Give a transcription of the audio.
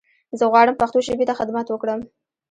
زه غواړم پښتو ژبې ته خدمت وکړم.